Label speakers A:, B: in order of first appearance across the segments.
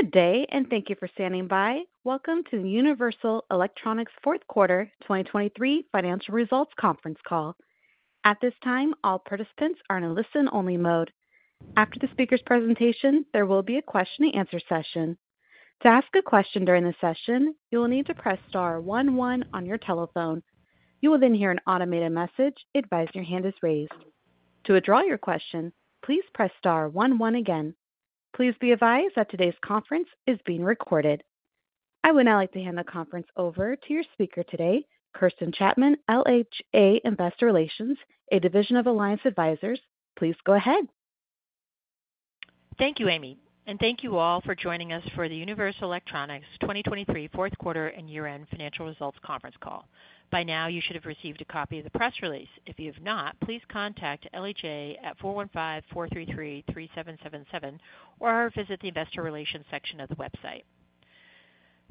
A: Good day and thank you for standing by. Welcome to the Universal Electronics Q4 2023 Financial Results Conference Call. At this time, all participants are in a listen-only mode. After the speaker's presentation, there will be a question-and-answer session. To ask a question during the session, you will need to press star 11 on your telephone. You will then hear an automated message advising your hand is raised. To withdraw your question, please press star 11 again. Please be advised that today's conference is being recorded. I would now like to hand the conference over to your speaker today, Kirsten Chapman, LHA Investor Relations, a Division of Alliance Advisors. Please go ahead.
B: Thank you, Amy. Thank you all for joining us for the Universal Electronics 2023 Q4 and Year-End Financial Results Conference Call. By now, you should have received a copy of the press release. If you have not, please contact LHA at 415-433-3777 or visit the Investor Relations section of the website.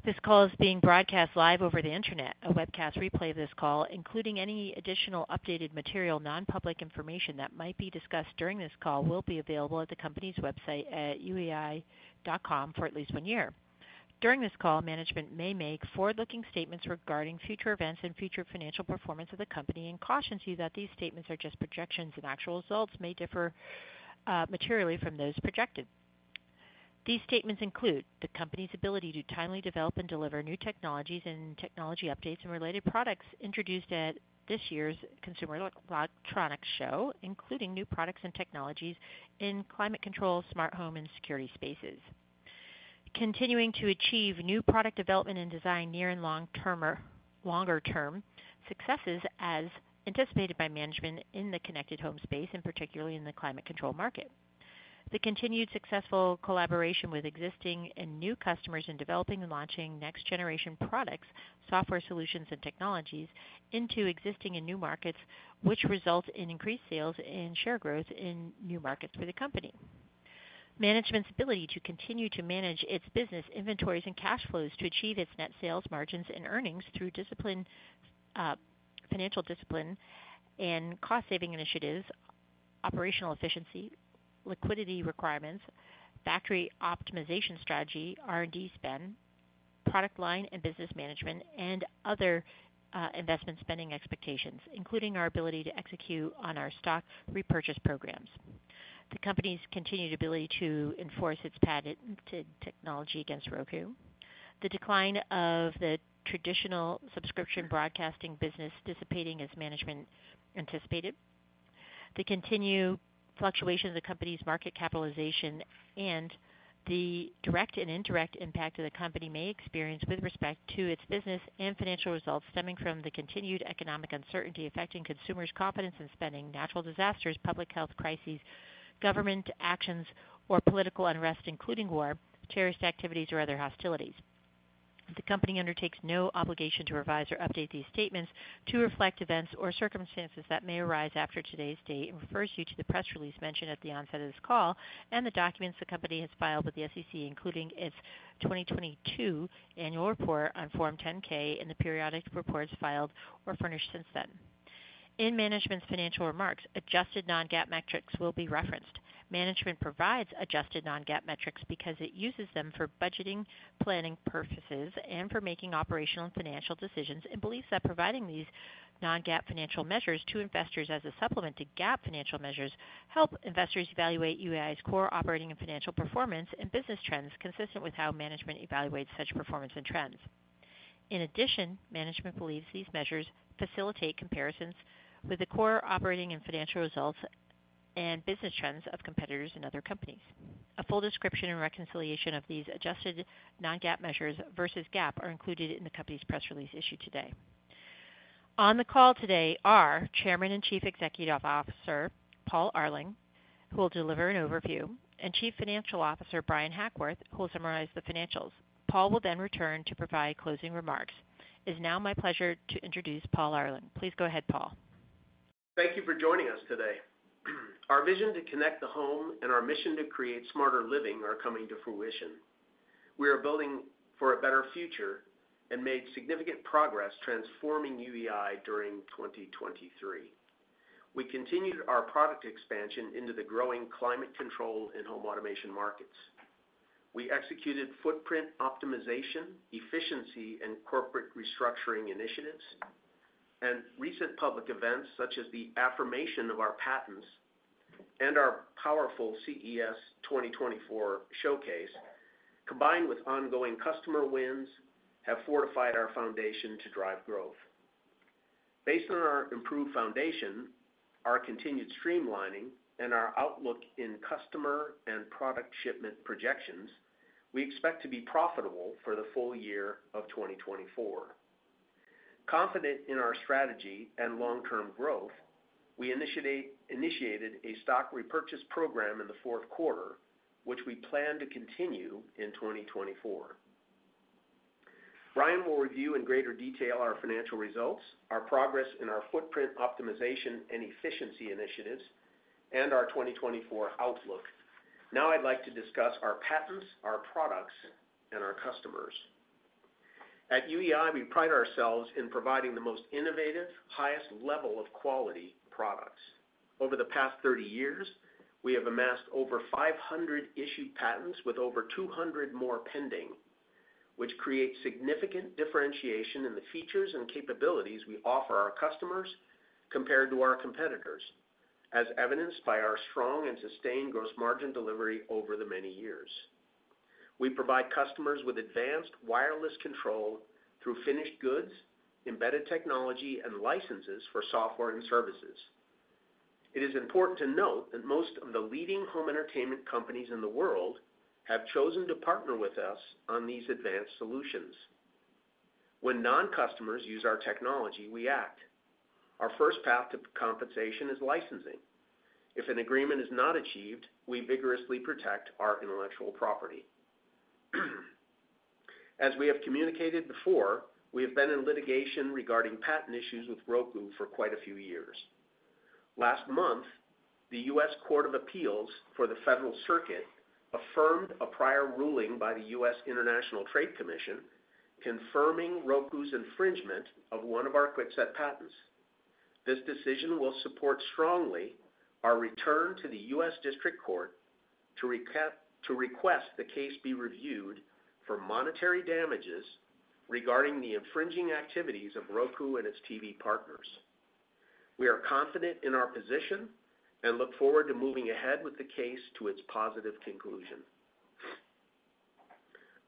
B: This call is being broadcast live over the internet. A webcast replay of this call, including any additional updated material, nonpublic information that might be discussed during this call, will be available at the company's website at uei.com for at least one year. During this call, management may make forward-looking statements regarding future events and future financial performance of the company and cautions you that these statements are just projections and actual results may differ materially from those projected. These statements include the company's ability to timely develop and deliver new technologies and technology updates and related products introduced at this year's Consumer Electronics Show, including new products and technologies in climate control, smart home, and security spaces. Continuing to achieve new product development and design near and longer-term successes as anticipated by management in the connected home space, and particularly in the climate control market. The continued successful collaboration with existing and new customers in developing and launching next-generation products, software solutions, and technologies into existing and new markets, which results in increased sales and share growth in new markets for the company. Management's ability to continue to manage its business inventories and cash flows to achieve its net sales margins and earnings through financial discipline and cost-saving initiatives, operational efficiency, liquidity requirements, factory optimization strategy, R&D spend, product line and business management, and other investment spending expectations, including our ability to execute on our stock repurchase programs. The company's continued ability to enforce its patented technology against Roku. The decline of the traditional subscription broadcasting business dissipating as management anticipated. The continued fluctuation of the company's market capitalization and the direct and indirect impact that the company may experience with respect to its business and financial results stemming from the continued economic uncertainty affecting consumers' confidence in spending, natural disasters, public health crises, government actions, or political unrest, including war, terrorist activities, or other hostilities. The company undertakes no obligation to revise or update these statements to reflect events or circumstances that may arise after today's date and refers you to the press release mentioned at the onset of this call and the documents the company has filed with the SEC, including its 2022 annual report on Form 10-K and the periodic reports filed or furnished since then. In management's financial remarks, adjusted non-GAAP metrics will be referenced. Management provides adjusted non-GAAP metrics because it uses them for budgeting planning purposes and for making operational and financial decisions and believes that providing these non-GAAP financial measures to investors as a supplement to GAAP financial measures help investors evaluate UEI's core operating and financial performance and business trends consistent with how management evaluates such performance and trends. In addition, management believes these measures facilitate comparisons with the core operating and financial results and business trends of competitors and other companies. A full description and reconciliation of these adjusted non-GAAP measures versus GAAP are included in the company's press release issued today. On the call today are Chairman and Chief Executive Officer Paul Arling, who will deliver an overview, and Chief Financial Officer Bryan Hackworth, who will summarize the financials. Paul will then return to provide closing remarks. It is now my pleasure to introduce Paul Arling. Please go ahead, Paul.
C: Thank you for joining us today. Our vision to connect the home and our mission to create smarter living are coming to fruition. We are building for a better future and made significant progress transforming UEI during 2023. We continued our product expansion into the growing climate control and home automation markets. We executed footprint optimization, efficiency, and corporate restructuring initiatives. Recent public events such as the affirmation of our patents and our powerful CES 2024 showcase, combined with ongoing customer wins, have fortified our foundation to drive growth. Based on our improved foundation, our continued streamlining, and our outlook in customer and product shipment projections, we expect to be profitable for the full year of 2024. Confident in our strategy and long-term growth, we initiated a stock repurchase program in the Q4, which we plan to continue in 2024. Bryan will review in greater detail our financial results, our progress in our footprint optimization and efficiency initiatives, and our 2024 outlook. Now I'd like to discuss our patents, our products, and our customers. At UEI, we pride ourselves in providing the most innovative, highest level of quality products. Over the past 30 years, we have amassed over 500 issued patents with over 200 more pending, which creates significant differentiation in the features and capabilities we offer our customers compared to our competitors, as evidenced by our strong and sustained gross margin delivery over the many years. We provide customers with advanced wireless control through finished goods, embedded technology, and licenses for software and services. It is important to note that most of the leading home entertainment companies in the world have chosen to partner with us on these advanced solutions. When non-customers use our technology, we act. Our first path to compensation is licensing. If an agreement is not achieved, we vigorously protect our intellectual property. As we have communicated before, we have been in litigation regarding patent issues with Roku for quite a few years. Last month, the U.S. Court of Appeals for the Federal Circuit affirmed a prior ruling by the U.S. International Trade Commission confirming Roku's infringement of one of our QuickSet patents. This decision will support strongly our return to the U.S. District Court to request the case be reviewed for monetary damages regarding the infringing activities of Roku and its TV partners. We are confident in our position and look forward to moving ahead with the case to its positive conclusion.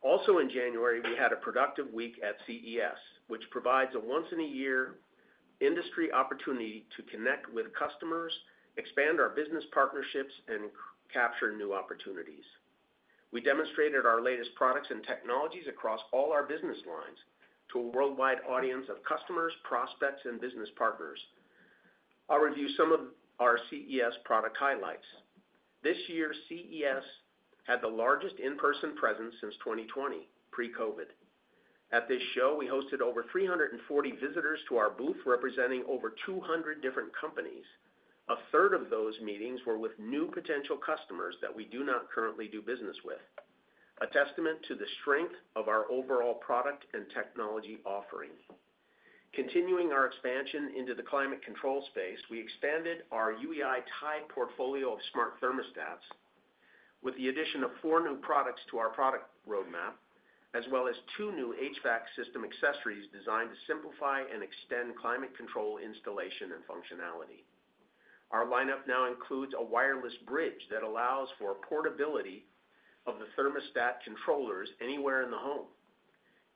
C: Also in January, we had a productive week at CES, which provides a once-in-a-year industry opportunity to connect with customers, expand our business partnerships, and capture new opportunities. We demonstrated our latest products and technologies across all our business lines to a worldwide audience of customers, prospects, and business partners. I'll review some of our CES product highlights. This year, CES had the largest in-person presence since 2020, pre-COVID. At this show, we hosted over 340 visitors to our booth representing over 200 different companies. A third of those meetings were with new potential customers that we do not currently do business with, a testament to the strength of our overall product and technology offering. Continuing our expansion into the climate control space, we expanded our UEI TIDE portfolio of smart thermostats with the addition of four new products to our product roadmap, as well as two new HVAC system accessories designed to simplify and extend climate control installation and functionality. Our lineup now includes a wireless bridge that allows for portability of the thermostat controllers anywhere in the home,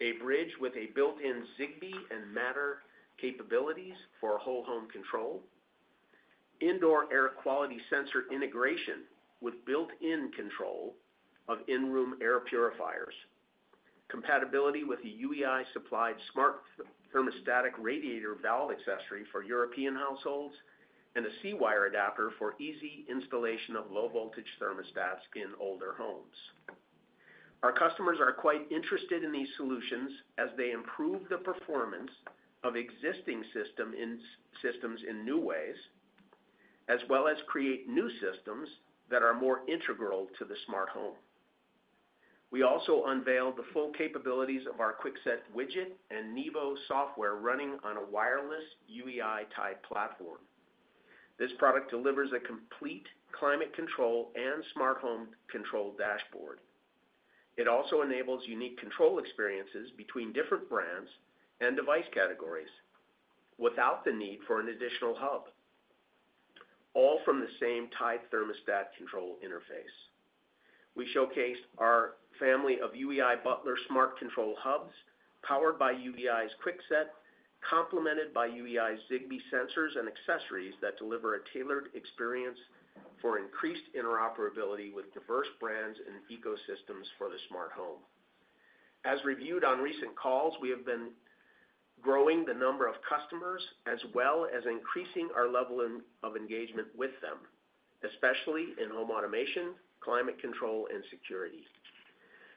C: a bridge with a built-in Zigbee and Matter capabilities for whole-home control, indoor air quality sensor integration with built-in control of in-room air purifiers, compatibility with the UEI-supplied smart thermostatic radiator valve accessory for European households, and a C-wire adapter for easy installation of low-voltage thermostats in older homes. Our customers are quite interested in these solutions as they improve the performance of existing systems in new ways, as well as create new systems that are more integral to the smart home. We also unveiled the full capabilities of our QuickSet widget and Nevo software running on a wireless UEI TIDE platform. This product delivers a complete climate control and smart home control dashboard. It also enables unique control experiences between different brands and device categories without the need for an additional hub, all from the same TIDE thermostat control interface. We showcased our family of UEI Butler smart control hubs powered by UEI's QuickSet, complemented by UEI's Zigbee sensors and accessories that deliver a tailored experience for increased interoperability with diverse brands and ecosystems for the smart home. As reviewed on recent calls, we have been growing the number of customers as well as increasing our level of engagement with them, especially in home automation, climate control, and security.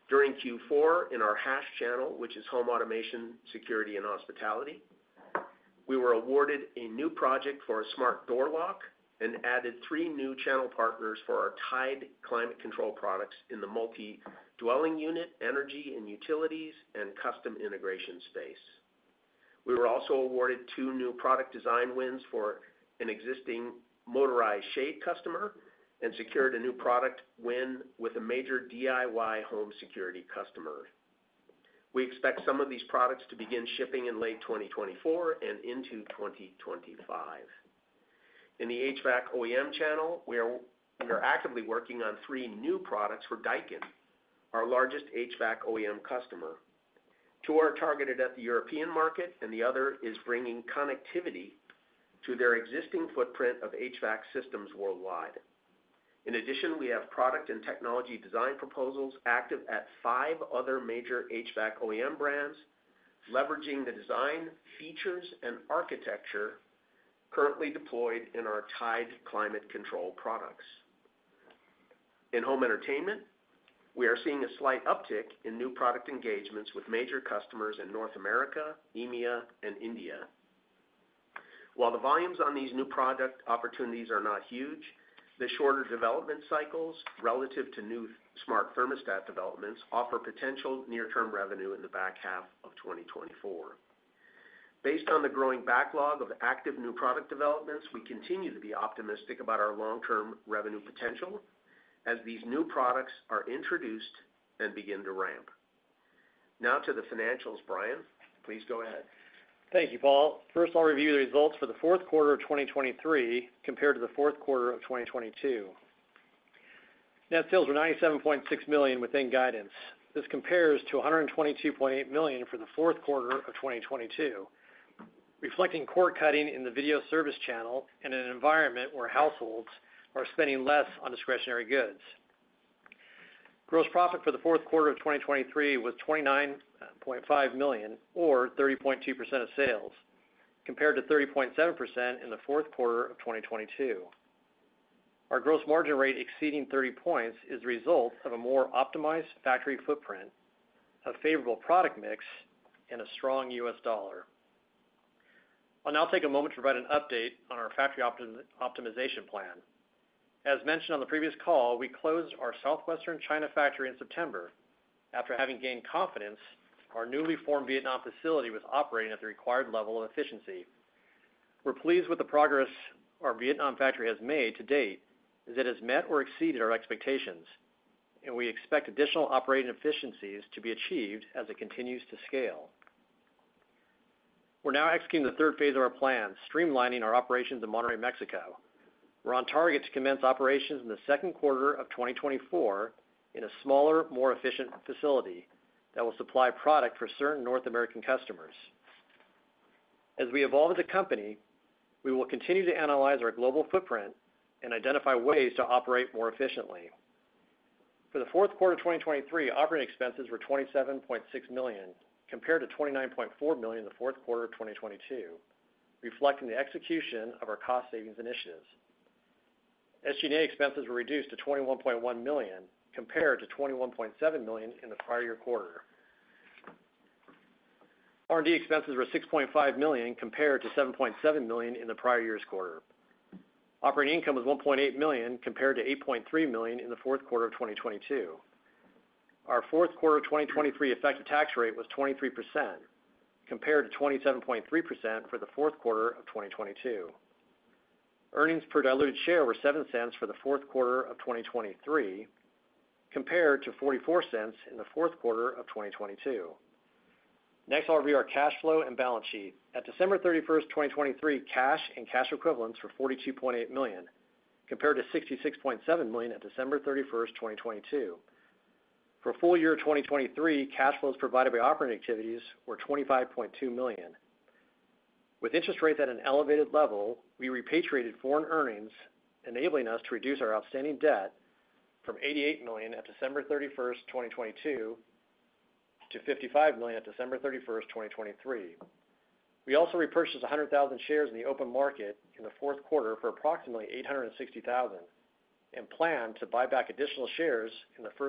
C: During Q4, in our HASH channel, which is home automation, security, and hospitality, we were awarded a new project for a smart door lock and added three new channel partners for our TIDE climate control products in the multi-dwelling unit, energy, and utilities, and custom integration space. We were also awarded two new product design wins for an existing motorized shade customer and secured a new product win with a major DIY home security customer. We expect some of these products to begin shipping in late 2024 and into 2025. In the HVAC OEM channel, we are actively working on three new products for Daikin, our largest HVAC OEM customer. Two are targeted at the European market, and the other is bringing connectivity to their existing footprint of HVAC systems worldwide. In addition, we have product and technology design proposals active at five other major HVAC OEM brands, leveraging the design features and architecture currently deployed in our TIDE climate control products. In home entertainment, we are seeing a slight uptick in new product engagements with major customers in North America, India, and Asia. While the volumes on these new product opportunities are not huge, the shorter development cycles relative to new smart thermostat developments offer potential near-term revenue in the back half of 2024. Based on the growing backlog of active new product developments, we continue to be optimistic about our long-term revenue potential as these new products are introduced and begin to ramp. Now to the financials, Bryan. Please go ahead.
D: Thank you, Paul. First, I'll review the results for the Q4 of 2023 compared to the Q4 of 2022. Net sales were $97.6 million within guidance. This compares to $122.8 million for the Q4 of 2022, reflecting cord cutting in the video service channel and an environment where households are spending less on discretionary goods. Gross profit for the Q4 of 2023 was $29.5 million or 30.2% of sales, compared to 30.7% in the Q4 of 2022. Our gross margin rate exceeding 30 points is the result of a more optimized factory footprint, a favorable product mix, and a strong U.S. dollar. I'll now take a moment to provide an update on our factory optimization plan. As mentioned on the previous call, we closed our southwestern China factory in September. After having gained confidence, our newly formed Vietnam facility was operating at the required level of efficiency. We're pleased with the progress our Vietnam factory has made to date. It has met or exceeded our expectations, and we expect additional operating efficiencies to be achieved as it continues to scale. We're now executing the third phase of our plan, streamlining our operations in Monterrey, Mexico. We're on target to commence operations in the Q2 of 2024 in a smaller, more efficient facility that will supply product for certain North American customers. As we evolve as a company, we will continue to analyze our global footprint and identify ways to operate more efficiently. For the Q4 of 2023, operating expenses were $27.6 million compared to $29.4 million in the Q4 of 2022, reflecting the execution of our cost savings initiatives. SG&A expenses were reduced to $21.1 million compared to $21.7 million in the prior year quarter. R&D expenses were $6.5 million compared to $7.7 million in the prior year's quarter. Operating income was $1.8 million compared to $8.3 million in the Q4 of 2022. Our Q4 of 2023 effective tax rate was 23% compared to 27.3% for the Q4 of 2022. Earnings per diluted share were $0.07 for the Q4 of 2023 compared to $0.44 in the Q4 of 2022. Next, I'll review our cash flow and balance sheet. At December 31, 2023, cash and cash equivalents were $42.8 million compared to $66.7 million at December 31, 2022. For a full year of 2023, cash flows provided by operating activities were $25.2 million. With interest rates at an elevated level, we repatriated foreign earnings, enabling us to reduce our outstanding debt from $88 million at December 31, 2022, to $55 million at December 31, 2023. We also repurchased 100,000 shares in the open market in the Q4 for approximately $860,000 and plan to buy back additional shares in the Q1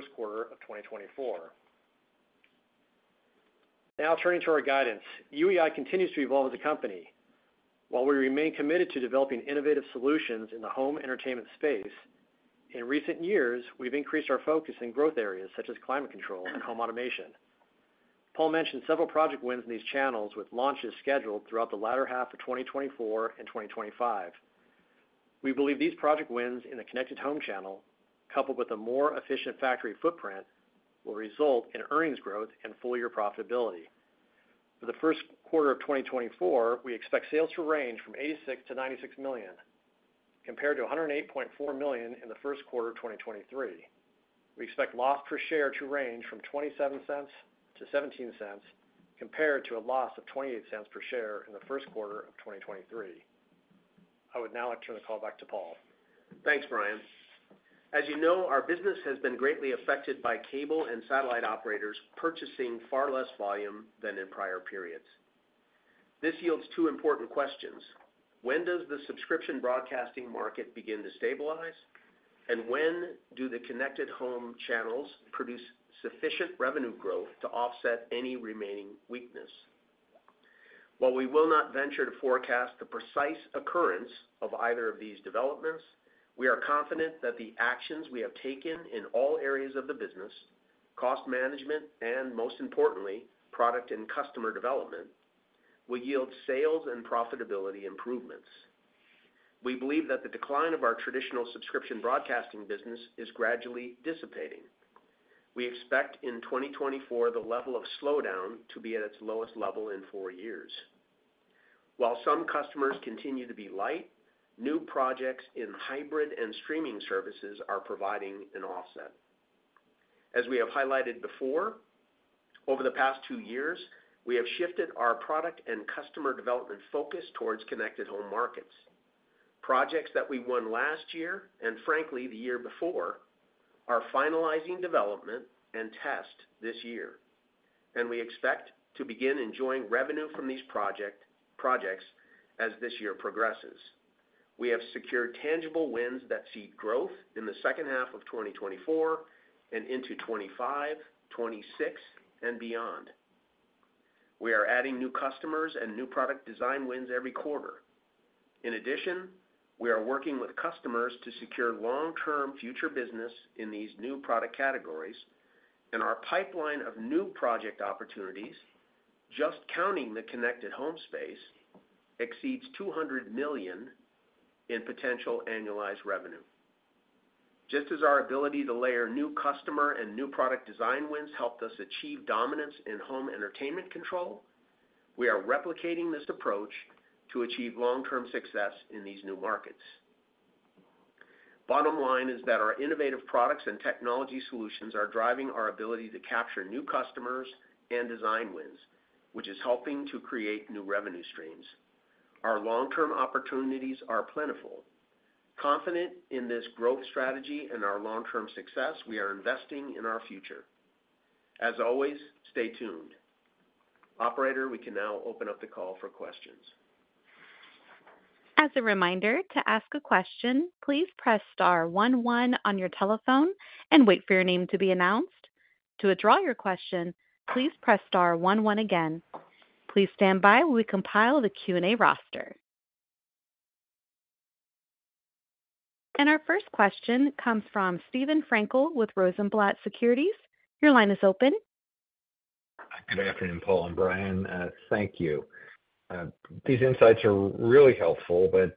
D: of 2024. Now turning to our guidance, UEI continues to evolve as a company. While we remain committed to developing innovative solutions in the home entertainment space, in recent years, we've increased our focus in growth areas such as climate control and home automation. Paul mentioned several project wins in these channels with launches scheduled throughout the latter half of 2024 and 2025. We believe these project wins in the connected home channel, coupled with a more efficient factory footprint, will result in earnings growth and full-year profitability. For the Q1 of 2024, we expect sales to range from $86 million-$96 million compared to $108.4 million in the Q1 of 2023. We expect loss per share to range from $0.27-$0.17 compared to a loss of $0.28 per share in the Q1 of 2023. I would now like to turn the call back to Paul.
C: Thanks, Bryan. As you know, our business has been greatly affected by cable and satellite operators purchasing far less volume than in prior periods. This yields two important questions. When does the subscription broadcasting market begin to stabilize, and when do the connected home channels produce sufficient revenue growth to offset any remaining weakness? While we will not venture to forecast the precise occurrence of either of these developments, we are confident that the actions we have taken in all areas of the business, cost management, and most importantly, product and customer development, will yield sales and profitability improvements. We believe that the decline of our traditional subscription broadcasting business is gradually dissipating. We expect in 2024, the level of slowdown to be at its lowest level in four years. While some customers continue to be light, new projects in hybrid and streaming services are providing an offset. As we have highlighted before, over the past two years, we have shifted our product and customer development focus towards connected home markets. Projects that we won last year and, frankly, the year before are finalizing development and test this year, and we expect to begin enjoying revenue from these projects as this year progresses. We have secured tangible wins that see growth in the H2 of 2024 and into 2025, 2026, and beyond. We are adding new customers and new product design wins every quarter. In addition, we are working with customers to secure long-term future business in these new product categories, and our pipeline of new project opportunities, just counting the connected home space, exceeds $200 million in potential annualized revenue. Just as our ability to layer new customer and new product design wins helped us achieve dominance in home entertainment control, we are replicating this approach to achieve long-term success in these new markets. Bottom line is that our innovative products and technology solutions are driving our ability to capture new customers and design wins, which is helping to create new revenue streams. Our long-term opportunities are plentiful. Confident in this growth strategy and our long-term success, we are investing in our future. As always, stay tuned. Operator, we can now open up the call for questions.
A: As a reminder, to ask a question, please press star 11 on your telephone and wait for your name to be announced. To withdraw your question, please press star 11 again. Please stand by while we compile the Q&A roster. Our first question comes from Steven Frankel with Rosenblatt Securities. Your line is open.
E: Good afternoon, Paul and Bryan. Thank you. These insights are really helpful, but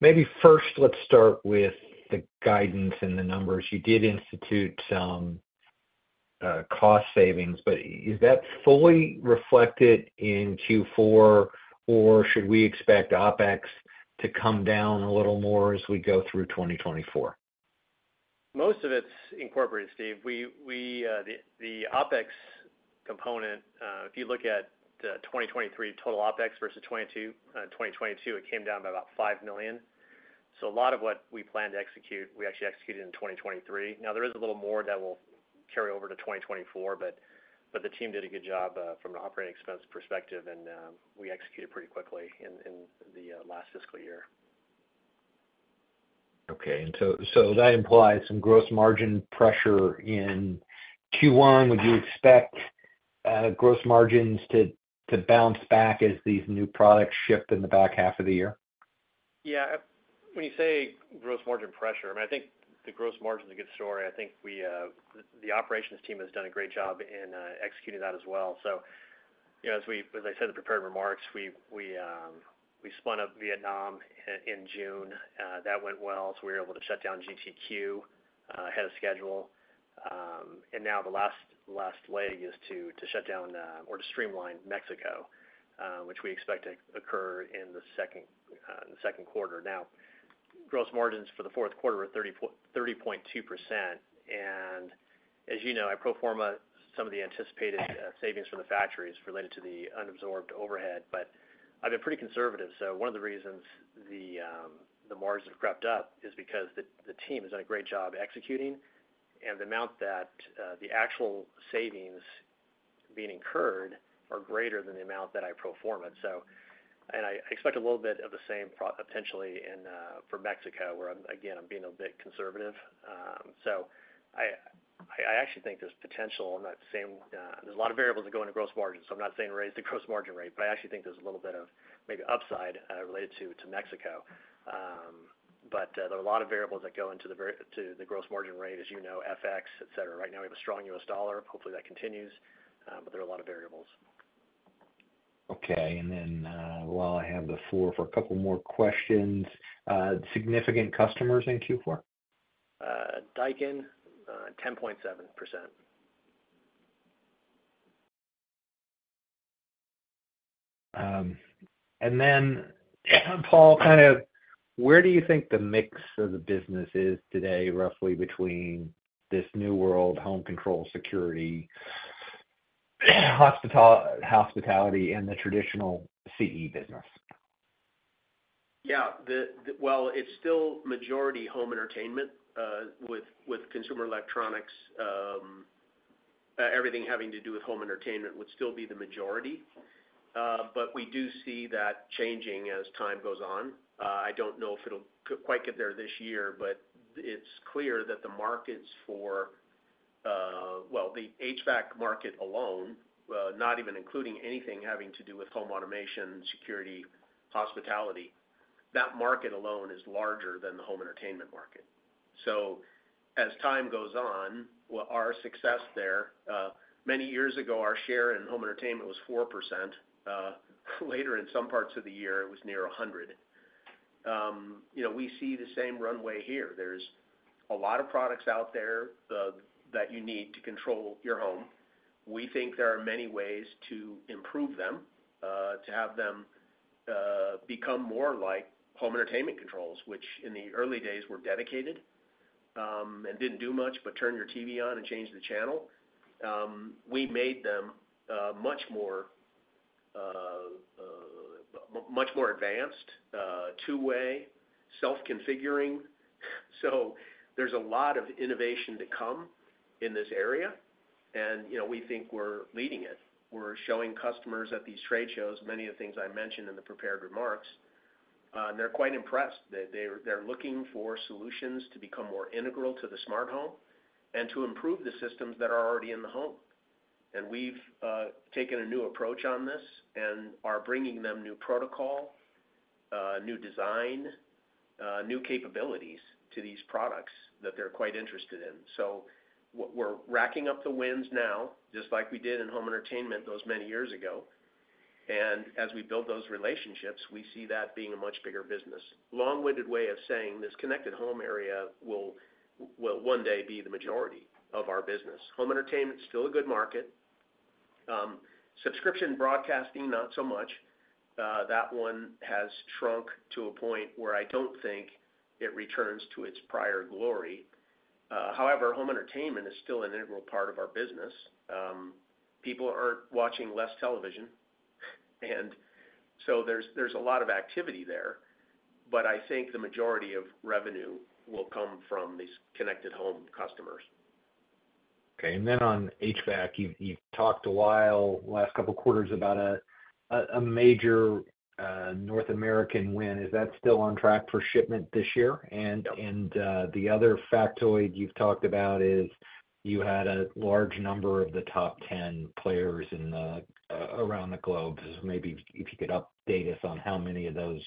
E: maybe first, let's start with the guidance and the numbers. You did institute some cost savings, but is that fully reflected in Q4, or should we expect OPEX to come down a little more as we go through 2024?
D: Most of it's incorporated, Steve. The OPEX component, if you look at 2023 total OPEX versus 2022, it came down by about $5 million. So a lot of what we planned to execute, we actually executed in 2023. Now, there is a little more that will carry over to 2024, but the team did a good job from an operating expense perspective, and we executed pretty quickly in the last fiscal year.
E: Okay. And so that implies some gross margin pressure in Q1. Would you expect gross margins to bounce back as these new products shift in the back half of the year?
D: Yeah. When you say gross margin pressure, I mean, I think the gross margin is a good story. I think the operations team has done a great job in executing that as well. So as I said in the prepared remarks, we spun up Vietnam in June. That went well, so we were able to shut down GTQ ahead of schedule. And now the last leg is to shut down or to streamline Mexico, which we expect to occur in the Q2. Now, gross margins for the Q4 were 30.2%. And as you know, I pro forma some of the anticipated savings from the factories related to the unabsorbed overhead, but I've been pretty conservative. So one of the reasons the margins have crept up is because the team has done a great job executing, and the amount that the actual savings being incurred are greater than the amount that I pro formaed. And I expect a little bit of the same potentially for Mexico, where again, I'm being a bit conservative. So I actually think there's potential. I'm not saying there's a lot of variables that go into gross margins, so I'm not saying raise the gross margin rate, but I actually think there's a little bit of maybe upside related to Mexico. But there are a lot of variables that go into the gross margin rate, as you know, FX, etc. Right now, we have a strong U.S. dollar. Hopefully, that continues, but there are a lot of variables.
E: Okay. And then while I have the floor for a couple more questions, significant customers in Q4?
D: Daikin, 10.7%.
E: Paul, kind of where do you think the mix of the business is today, roughly, between this new world home control security, hospitality, and the traditional CE business?
C: Yeah. Well, it's still majority home entertainment with consumer electronics. Everything having to do with home entertainment would still be the majority, but we do see that changing as time goes on. I don't know if it'll quite get there this year, but it's clear that the markets for well, the HVAC market alone, not even including anything having to do with home automation, security, hospitality, that market alone is larger than the home entertainment market. So as time goes on, our success there many years ago, our share in home entertainment was 4%. Later in some parts of the year, it was near 100. We see the same runway here. There's a lot of products out there that you need to control your home. We think there are many ways to improve them, to have them become more like home entertainment controls, which in the early days, were dedicated and didn't do much, but turn your TV on and change the channel. We made them much more advanced, two-way, self-configuring. So there's a lot of innovation to come in this area, and we think we're leading it. We're showing customers at these trade shows many of the things I mentioned in the prepared remarks, and they're quite impressed. They're looking for solutions to become more integral to the smart home and to improve the systems that are already in the home. We've taken a new approach on this and are bringing them new protocol, new design, new capabilities to these products that they're quite interested in. So we're racking up the wins now just like we did in home entertainment those many years ago. And as we build those relationships, we see that being a much bigger business. Long-winded way of saying, this connected home area will one day be the majority of our business. Home entertainment, still a good market. Subscription broadcasting, not so much. That one has shrunk to a point where I don't think it returns to its prior glory. However, home entertainment is still an integral part of our business. People aren't watching less television, and so there's a lot of activity there, but I think the majority of revenue will come from these connected home customers.
E: Okay. And then on HVAC, you've talked a while last couple of quarters about a major North American win. Is that still on track for shipment this year? And the other factoid you've talked about is you had a large number of the top 10 players around the globe. Maybe if you could update us on how many of those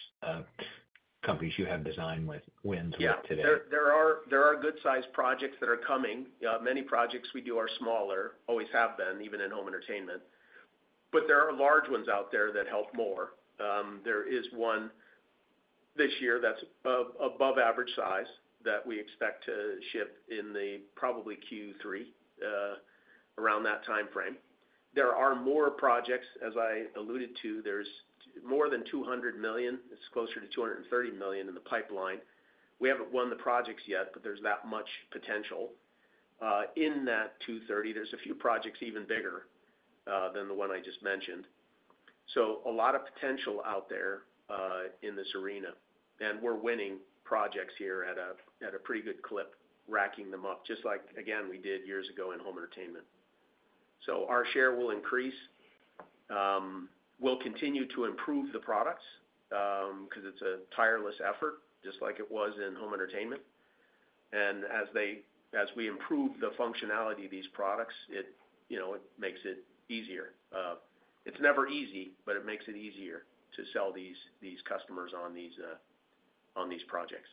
E: companies you have design wins with today.
C: Yeah. There are good-sized projects that are coming. Many projects we do are smaller, always have been, even in home entertainment. But there are large ones out there that help more. There is one this year that's above average size that we expect to ship in probably Q3, around that timeframe. There are more projects, as I alluded to. There's more than 200 million. It's closer to 230 million in the pipeline. We haven't won the projects yet, but there's that much potential. In that 230, there's a few projects even bigger than the one I just mentioned. So a lot of potential out there in this arena, and we're winning projects here at a pretty good clip, racking them up just like, again, we did years ago in home entertainment. So our share will increase. We'll continue to improve the products because it's a tireless effort, just like it was in home entertainment. And as we improve the functionality of these products, it makes it easier. It's never easy, but it makes it easier to sell these customers on these projects.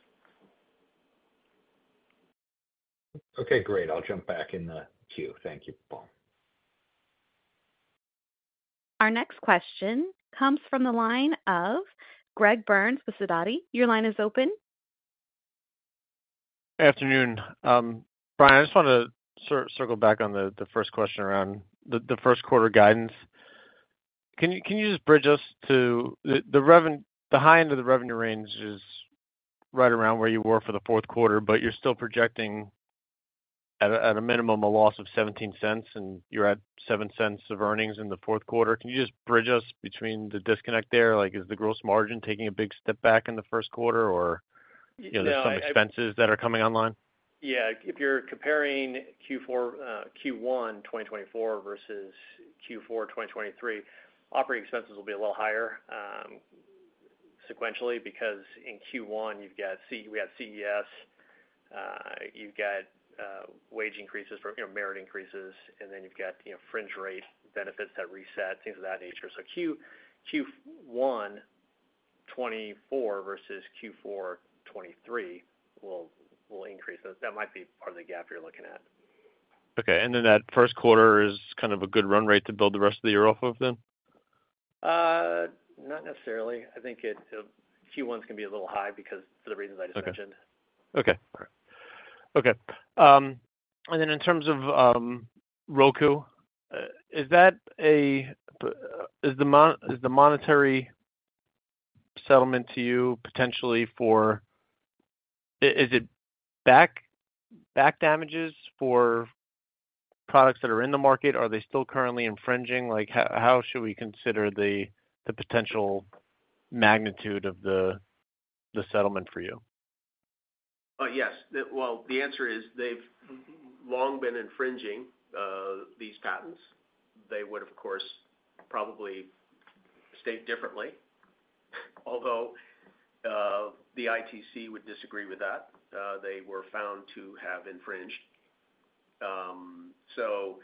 E: Okay. Great. I'll jump back in the queue. Thank you, Paul.
A: Our next question comes from the line of Greg Burns, Sidoti. Your line is open.
F: Afternoon, Bryan. I just want to circle back on the first question around the Q1 guidance. Can you just bridge us to the high end of the revenue range is right around where you were for the Q4, but you're still projecting, at a minimum, a loss of $0.17, and you're at $0.07 of earnings in the Q4. Can you just bridge us between the disconnect there? Is the gross margin taking a big step back in the Q1, or there's some expenses that are coming online?
D: Yeah. If you're comparing Q1 2024 versus Q4 2023, operating expenses will be a little higher sequentially because in Q1, we have CES. You've got wage increases from merit increases, and then you've got fringe rate benefits that reset, things of that nature. So Q1 2024 versus Q4 2023 will increase. That might be part of the gap you're looking at.
F: Okay. And then that Q1 is kind of a good run rate to build the rest of the year off of then?
D: Not necessarily. I think Q1's can be a little high because for the reasons I just mentioned.
F: Okay. All right. Okay. And then in terms of Roku, is the monetary settlement to you potentially for is it back damages for products that are in the market? Are they still currently infringing? How should we consider the potential magnitude of the settlement for you?
C: Yes. Well, the answer is they've long been infringing these patents. They would have, of course, probably said differently, although the ITC would disagree with that. They were found to have infringed. So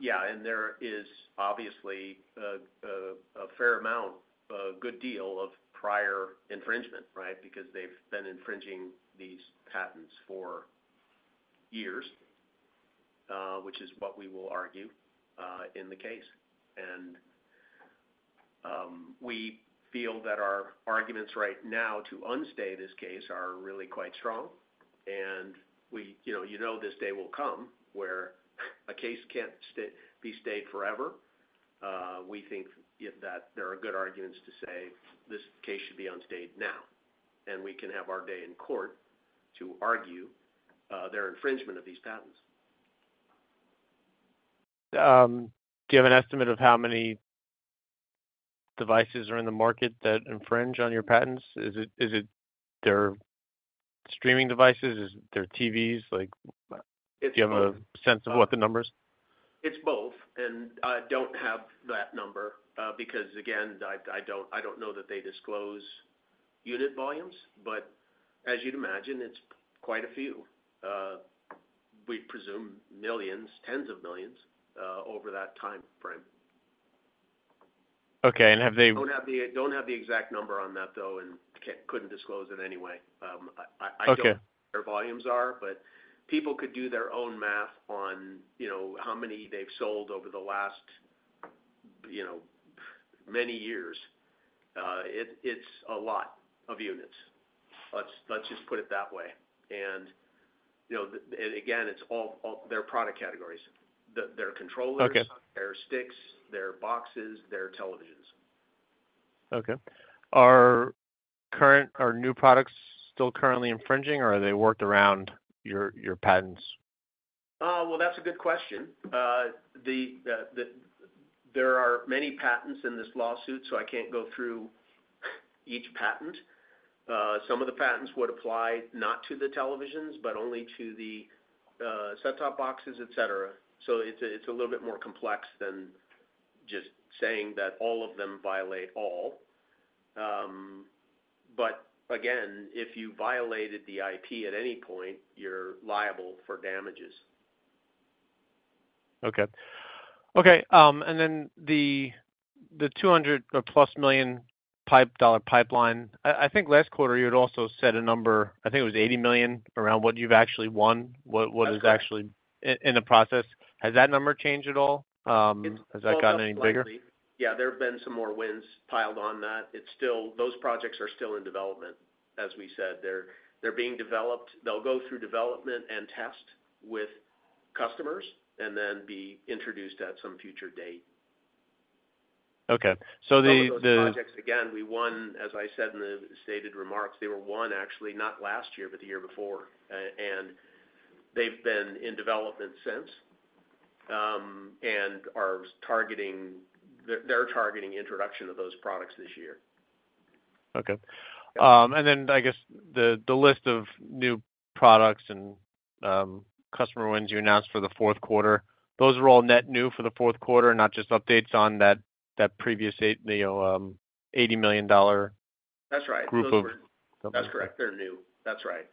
C: yeah. And there is obviously a fair amount, a good deal of prior infringement, right, because they've been infringing these patents for years, which is what we will argue in the case. And we feel that our arguments right now to unstay this case are really quite strong. And you know this day will come where a case can't be stayed forever. We think that there are good arguments to say this case should be unstayed now, and we can have our day in court to argue their infringement of these patents.
F: Do you have an estimate of how many devices are in the market that infringe on your patents? Is it their streaming devices? Is it their TVs? Do you have a sense of what the numbers are?
C: It's both. I don't have that number because, again, I don't know that they disclose unit volumes, but as you'd imagine, it's quite a few. We presume millions, tens of millions over that timeframe.
F: Okay. And have they?
C: Don't have the exact number on that, though, and couldn't disclose it anyway. I don't know what their volumes are, but people could do their own math on how many they've sold over the last many years. It's a lot of units. Let's just put it that way. And again, it's all their product categories. Their controllers, their sticks, their boxes, their televisions.
F: Okay. Are new products still currently infringing, or are they worked around your patents?
C: Well, that's a good question. There are many patents in this lawsuit, so I can't go through each patent. Some of the patents would apply not to the televisions but only to the set-top boxes, etc. So it's a little bit more complex than just saying that all of them violate all. But again, if you violated the IP at any point, you're liable for damages.
F: Okay. Okay. And then the $200+ million pipeline, I think last quarter, you had also said a number. I think it was $80 million around what you've actually won, what is actually in the process. Has that number changed at all? Has that gotten any bigger?
C: Yeah. There have been some more wins piled on that. Those projects are still in development, as we said. They're being developed. They'll go through development and test with customers and then be introduced at some future date.
F: Okay. So the.
C: Some of those projects, again, we won, as I said in the stated remarks, they were won actually not last year, but the year before. They've been in development since and are targeting their introduction of those products this year.
F: Okay. And then I guess the list of new products and customer wins you announced for the Q4, those are all net new for the Q4, not just updates on that previous $80 million group of.
C: That's right. That's correct. They're new. That's right.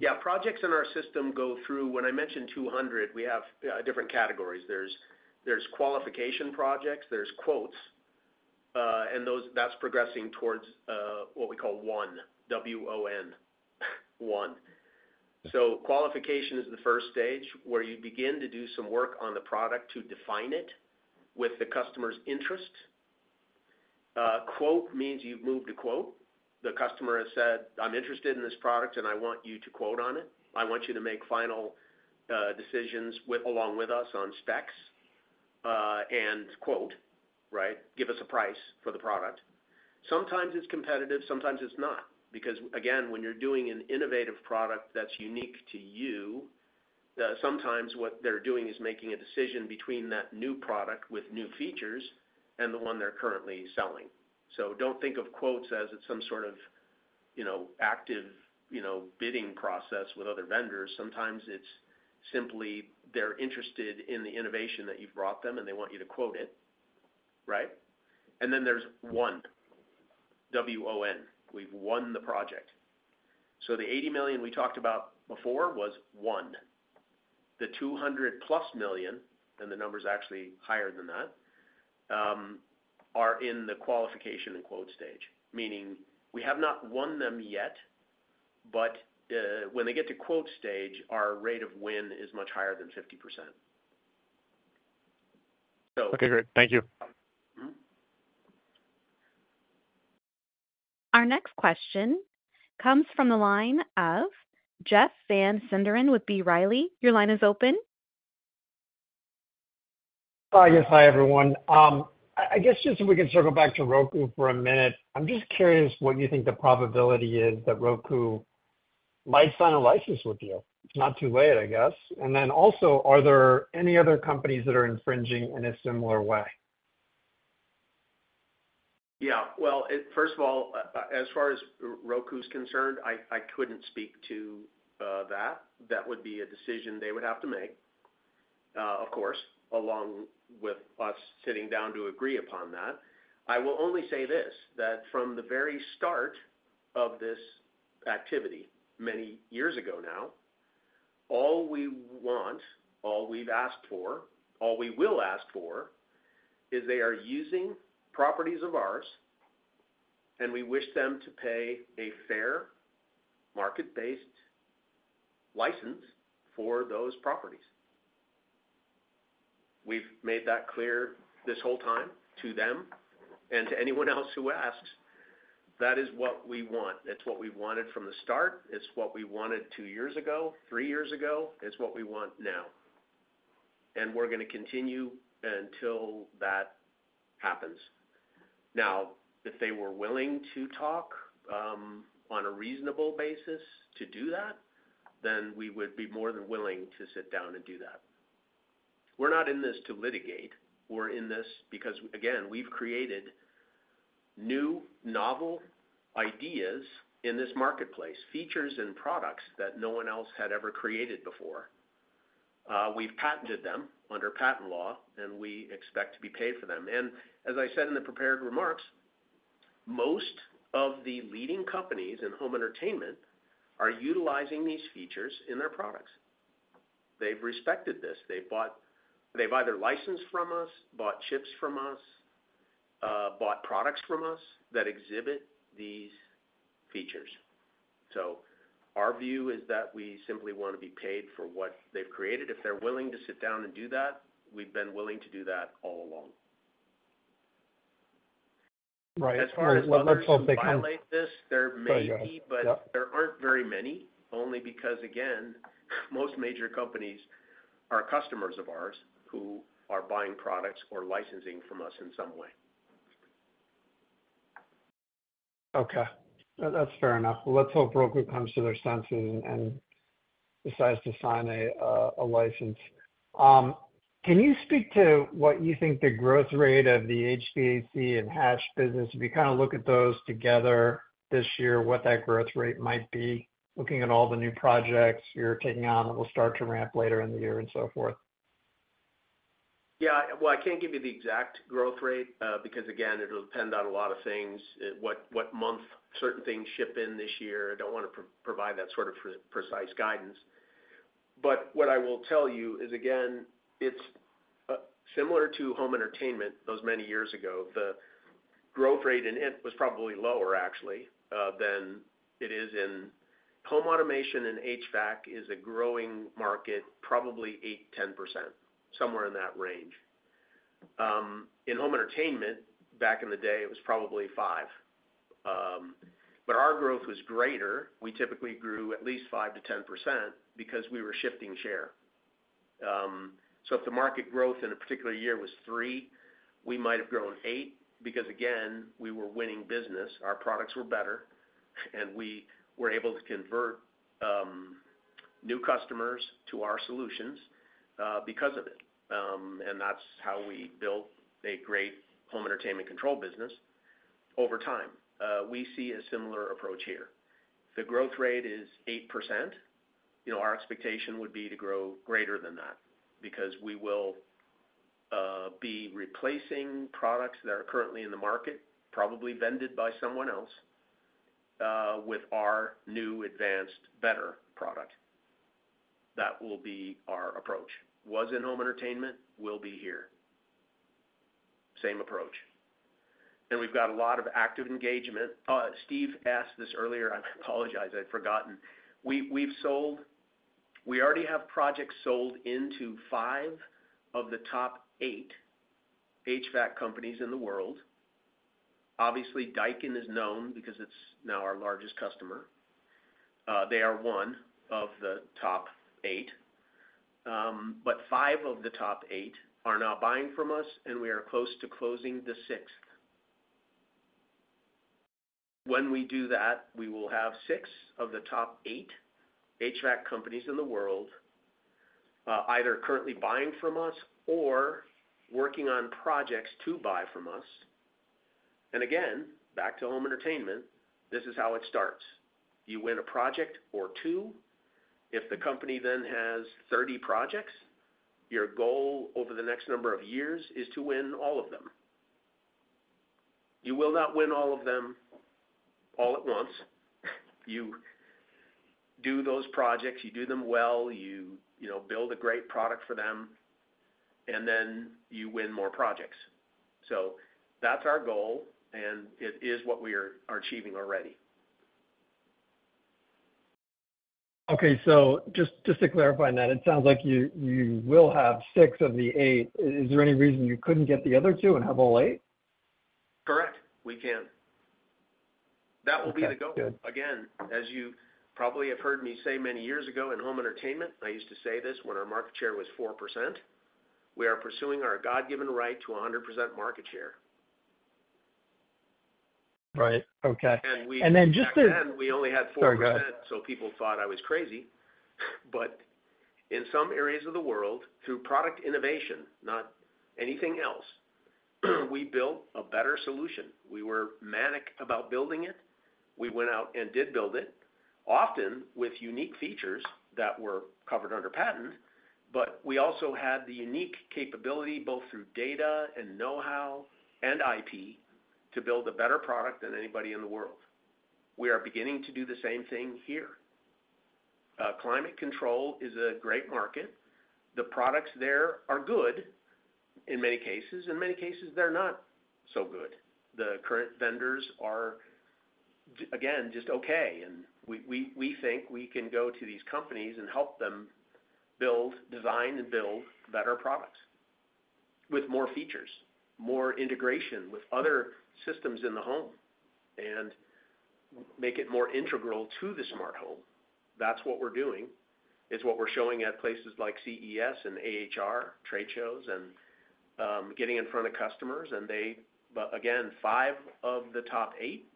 C: Yeah. Projects in our system go through. When I mentioned 200, we have different categories. There's qualification projects. There's quotes. And that's progressing towards what we call WON, one. So qualification is the first stage where you begin to do some work on the product to define it with the customer's interest. Quote means you've moved to quote. The customer has said, "I'm interested in this product, and I want you to quote on it. I want you to make final decisions along with us on specs and quote," right, "give us a price for the product." Sometimes it's competitive. Sometimes it's not because, again, when you're doing an innovative product that's unique to you, sometimes what they're doing is making a decision between that new product with new features and the one they're currently selling. So don't think of quotes as it's some sort of active bidding process with other vendors. Sometimes it's simply they're interested in the innovation that you've brought them, and they want you to quote it, right? And then there's WON. We've won the project. So the $80 million we talked about before was won. The $200-plus million, and the number's actually higher than that, are in the qualification and quote stage, meaning we have not won them yet, but when they get to quote stage, our rate of win is much higher than 50%.
F: Okay. Great. Thank you.
A: Our next question comes from the line of Jeff Van Sinderen with B. Riley. Your line is open.
G: Yes. Hi, everyone. I guess just if we can circle back to Roku for a minute, I'm just curious what you think the probability is that Roku might sign a license with you. It's not too late, I guess. And then also, are there any other companies that are infringing in a similar way?
C: Yeah. Well, first of all, as far as Roku's concerned, I couldn't speak to that. That would be a decision they would have to make, of course, along with us sitting down to agree upon that. I will only say this, that from the very start of this activity many years ago now, all we want, all we've asked for, all we will ask for is they are using properties of ours, and we wish them to pay a fair market-based license for those properties. We've made that clear this whole time to them and to anyone else who asks. That is what we want. It's what we wanted from the start. It's what we wanted two years ago, three years ago. It's what we want now. And we're going to continue until that happens. Now, if they were willing to talk on a reasonable basis to do that, then we would be more than willing to sit down and do that. We're not in this to litigate. We're in this because, again, we've created new, novel ideas in this marketplace, features and products that no one else had ever created before. We've patented them under patent law, and we expect to be paid for them. And as I said in the prepared remarks, most of the leading companies in home entertainment are utilizing these features in their products. They've respected this. They've either licensed from us, bought chips from us, bought products from us that exhibit these features. So our view is that we simply want to be paid for what they've created. If they're willing to sit down and do that, we've been willing to do that all along.
G: Right. Let's hope they come.
C: As far as whether they violate this, there may be, but there aren't very many only because, again, most major companies are customers of ours who are buying products or licensing from us in some way.
G: Okay. That's fair enough. Well, let's hope Roku comes to their senses and decides to sign a license. Can you speak to what you think the growth rate of the HVAC and HASH business, if you kind of look at those together this year, what that growth rate might be, looking at all the new projects you're taking on that will start to ramp later in the year and so forth?
C: Yeah. Well, I can't give you the exact growth rate because, again, it'll depend on a lot of things, what month certain things ship in this year. I don't want to provide that sort of precise guidance. But what I will tell you is, again, it's similar to home entertainment those many years ago. The growth rate in it was probably lower, actually, than it is in home automation and HVAC is a growing market, probably 8%-10%, somewhere in that range. In home entertainment, back in the day, it was probably 5%. But our growth was greater. We typically grew at least 5%-10% because we were shifting share. So if the market growth in a particular year was 3%, we might have grown 8% because, again, we were winning business. Our products were better, and we were able to convert new customers to our solutions because of it. And that's how we built a great home entertainment control business over time. We see a similar approach here. If the growth rate is 8%, our expectation would be to grow greater than that because we will be replacing products that are currently in the market, probably vended by someone else, with our new, advanced, better product. That will be our approach. Was in home entertainment, will be here. Same approach. And we've got a lot of active engagement. Steve asked this earlier. I apologize. I'd forgotten. We already have projects sold into five of the top eight HVAC companies in the world. Obviously, Daikin is known because it's now our largest customer. They are one of the top eight. 5 of the top 8 are now buying from us, and we are close to closing the sixth. When we do that, we will have 6 of the top 8 HVAC companies in the world either currently buying from us or working on projects to buy from us. Again, back to home entertainment, this is how it starts. You win a project or 2. If the company then has 30 projects, your goal over the next number of years is to win all of them. You will not win all of them all at once. You do those projects. You do them well. You build a great product for them, and then you win more projects. That's our goal, and it is what we are achieving already.
G: Okay. So just to clarify that, it sounds like you will have 6 of the 8. Is there any reason you couldn't get the other 2 and have all 8?
C: Correct. We can. That will be the goal. Again, as you probably have heard me say many years ago in home entertainment, I used to say this when our market share was 4%. We are pursuing our God-given right to 100% market share.
G: Right. Okay. And then just to.
C: Again, we only had 4%, so people thought I was crazy. But in some areas of the world, through product innovation, not anything else, we built a better solution. We were manic about building it. We went out and did build it, often with unique features that were covered under patent. But we also had the unique capability both through data and know-how and IP to build a better product than anybody in the world. We are beginning to do the same thing here. Climate control is a great market. The products there are good in many cases. In many cases, they're not so good. The current vendors are, again, just okay. And we think we can go to these companies and help them design and build better products with more features, more integration with other systems in the home, and make it more integral to the smart home. That's what we're doing. It's what we're showing at places like CES and AHR, trade shows, and getting in front of customers. But again, five of the top eight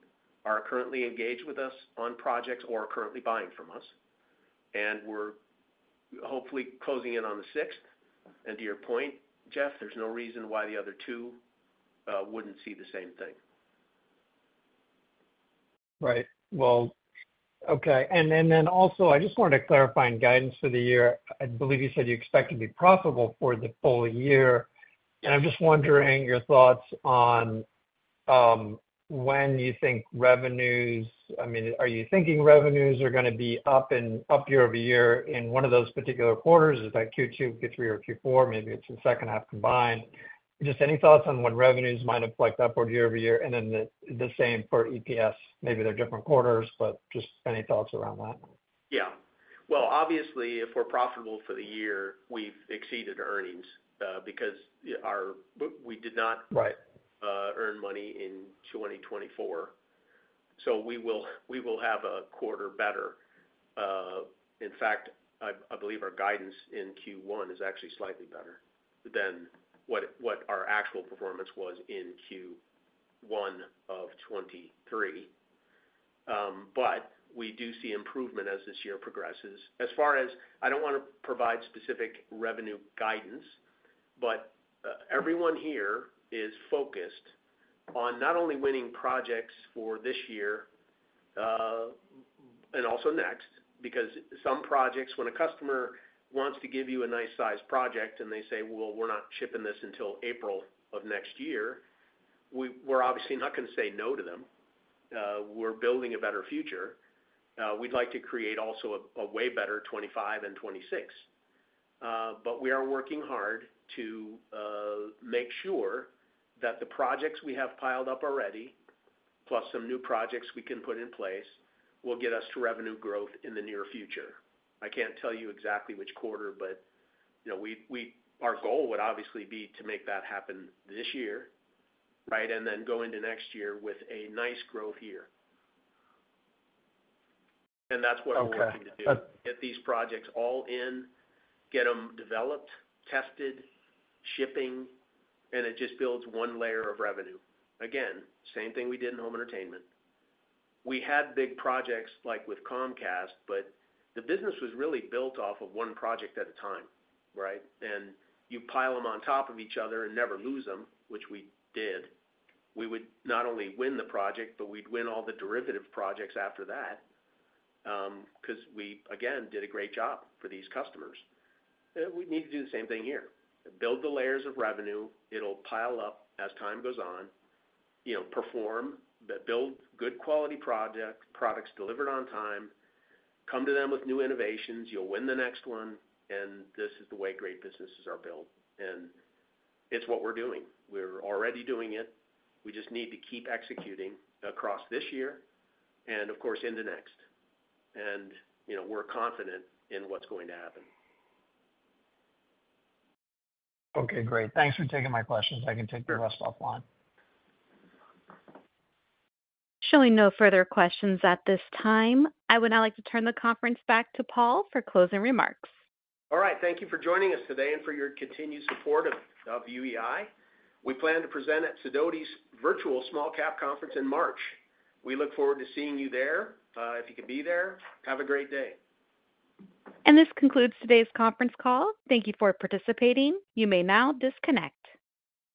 C: are currently engaged with us on projects or are currently buying from us. And we're hopefully closing in on the sixth. And to your point, Jeff, there's no reason why the other two wouldn't see the same thing.
G: Right. Well, okay. And then also, I just wanted to clarify in guidance for the year. I believe you said you expect to be profitable for the full year. And I'm just wondering your thoughts on when you think revenues—I mean, are you thinking revenues are going to be up year-over-year in one of those particular quarters? Is that Q2, Q3, or Q4? Maybe it's the H2 combined. Just any thoughts on when revenues might have flicked upward year-over-year? And then the same for EPS. Maybe they're different quarters, but just any thoughts around that?
C: Yeah. Well, obviously, if we're profitable for the year, we've exceeded earnings because we did not earn money in 2024. So we will have a quarter better. In fact, I believe our guidance in Q1 is actually slightly better than what our actual performance was in Q1 of 2023. But we do see improvement as this year progresses. As far as I don't want to provide specific revenue guidance, but everyone here is focused on not only winning projects for this year and also next because some projects, when a customer wants to give you a nice-sized project and they say, "Well, we're not shipping this until April of next year," we're obviously not going to say no to them. We're building a better future. We'd like to create also a way better 2025 and 2026. But we are working hard to make sure that the projects we have piled up already, plus some new projects we can put in place, will get us to revenue growth in the near future. I can't tell you exactly which quarter, but our goal would obviously be to make that happen this year, right, and then go into next year with a nice growth year. And that's what we're working to do, get these projects all in, get them developed, tested, shipping, and it just builds one layer of revenue. Again, same thing we did in home entertainment. We had big projects like with Comcast, but the business was really built off of one project at a time, right? And you pile them on top of each other and never lose them, which we did. We would not only win the project, but we'd win all the derivative projects after that because we, again, did a great job for these customers. We need to do the same thing here. Build the layers of revenue. It'll pile up as time goes on. Build good-quality products, delivered on time, come to them with new innovations. You'll win the next one. This is the way great businesses are built. It's what we're doing. We're already doing it. We just need to keep executing across this year and, of course, into next. We're confident in what's going to happen.
G: Okay. Great. Thanks for taking my questions. I can take the rest offline.
A: Showing no further questions at this time, I would now like to turn the conference back to Paul for closing remarks.
C: All right. Thank you for joining us today and for your continued support of UEI. We plan to present at Sidoti's virtual small-cap conference in March. We look forward to seeing you there, if you can be there. Have a great day.
A: This concludes today's conference call. Thank you for participating. You may now disconnect.